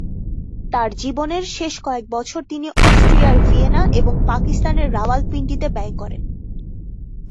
তার জীবনের শেষ কয়েক বছর তিনি অস্ট্রিয়ার ভিয়েনা এবং পাকিস্তানের রাওয়ালপিন্ডিতে ব্যয় করেন।